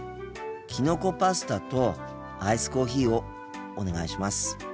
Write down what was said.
きのこパスタとアイスコーヒーをお願いします。